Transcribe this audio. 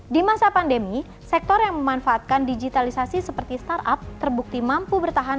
di masa pandemi sektor yang memanfaatkan digitalisasi seperti startup terbukti mampu bertahan